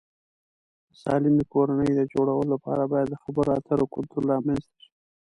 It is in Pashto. د سالمې کورنۍ د جوړولو لپاره باید د خبرو اترو کلتور رامنځته شي.